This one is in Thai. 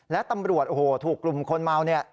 และตำรวจโอ้โหถูกกลุ่มคนเมาเนี่ย